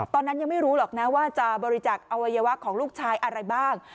ตอนนั้นยังไม่รู้หรอกนะว่าจะบริจักษ์อวัยวะของลูกชายอะไรบ้าง